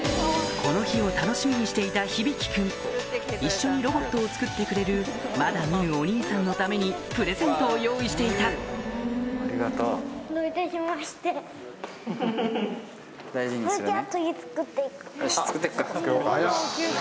この日を楽しみにしていたひびきくん一緒にロボットを作ってくれるまだ見ぬお兄さんのためにプレゼントを用意していた大事にするね。